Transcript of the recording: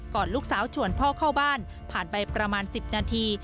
ลูกสาวชวนพ่อเข้าบ้านผ่านไปประมาณ๑๐นาที